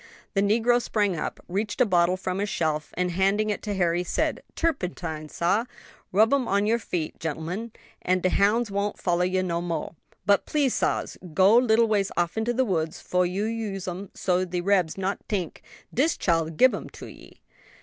The negro sprang up, reached a bottle from a shelf, and handing it to Harry, said, "Turpentine, sah; rub um on your feet, gen'lemen, an' de hounds won't follah you no moah. But please, sahs, go little ways off into the woods fo' you use um, so de rebs not tink dis chile gib um to ye."